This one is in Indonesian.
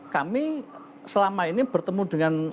kami selama ini bertemu dengan